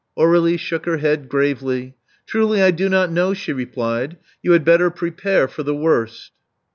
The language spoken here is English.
Aur61ie shook her head gravely. Truly, I do not know," she replied. You had better prepare for the worst.